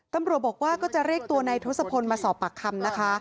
ตำรวจบอกว่าก็จะเรียกตัวนายทศพลมาสอบปากคำนะคะ